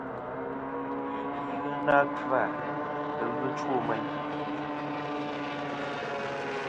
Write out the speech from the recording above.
Yì gvi ghɨ na kfa, ɨlvɨ chwo meyn.